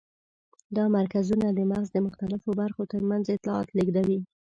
دا مرکزونه د مغز د مختلفو برخو تر منځ اطلاعات لېږدوي.